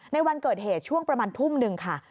ในวันเกิดเหตุช่วงประมาณทุ่มหนึ่งค่ะ